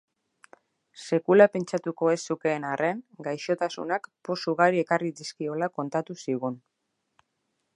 Sekula pentsatuko ez zukeen arren, gaixotasunak poz ugari ekarri dizkiola kontatu zigun.